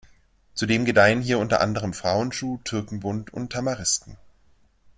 Zudem gedeihen hier unter anderem Frauenschuh, Türkenbund und Tamarisken.